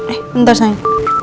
eh bentar sayang